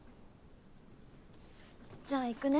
じゃあ行くね。